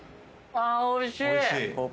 あおいしい！